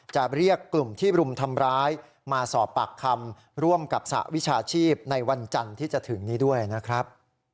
จะเรียกกลุ่มที่รุมทำร้ายมาสอบปากคำร่วมกับสหวิชาชีพในวันจันทร์ที่จะถึงนี้ด้วยนะครับ